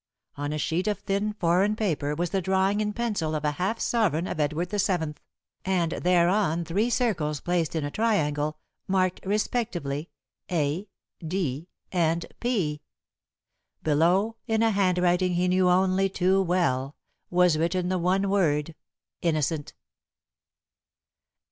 On a sheet of thin foreign paper was the drawing in pencil of a half sovereign of Edward VII., and thereon three circles placed in a triangle, marked respectively "A," "D," and "P." Below, in a handwriting he knew only too well, was written the one word "Innocent."